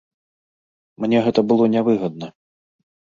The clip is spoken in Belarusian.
Мне гэта было нявыгадна.